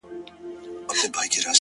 ستا څخه ډېر تـنگ،